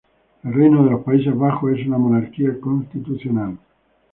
El Reino de los Países Bajos es una monarquía constitucional.